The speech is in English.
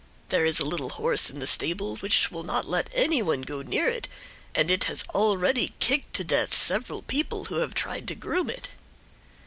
There is a little horse in the stable which will not let anyone go near it, and it has already kicked to death several people who have tried to groom it."